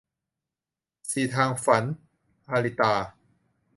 สี่ทางฝัน - อาริตา